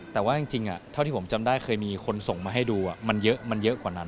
แต่ว่าจริงเท่าที่ผมจำได้เคยมีคนส่งมาให้ดูมันเยอะมันเยอะกว่านั้น